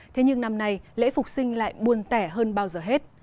thế nhưng năm nay lễ phục sinh lại buồn tẻ hơn bao giờ hết